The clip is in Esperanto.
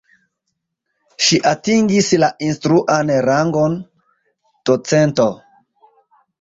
Ŝi atingis la instruan rangon docento.